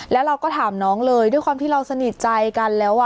แล้วเราก็ถามน้องเลยด้วยความที่เราสนิทใจกันแล้ว